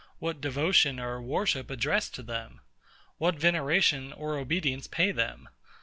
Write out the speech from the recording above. What devotion or worship address to them? What veneration or obedience pay them?